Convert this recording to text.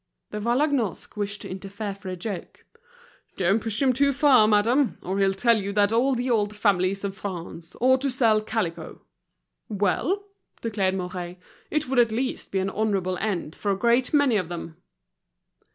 De Vallagnosc wished to interfere for a joke. "Don't push him too far, madame, or he'll tell you that all the old families of France ought to sell calico." "Well," declared Mouret, "it would at least be an honorable end for a great many of them."